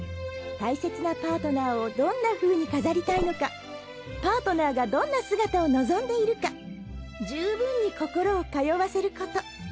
大切なパートナーをどんなふうに飾りたいのかパートナーがどんな姿を望んでいるか十分に心を通わせること。